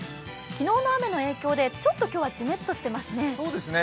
昨日の雨の影響でちょっと今日はジメッとしていますね。